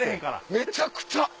めちゃくちゃ！